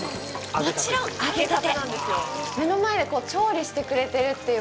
もちろん揚げたて。